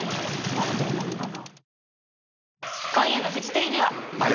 飲むかな？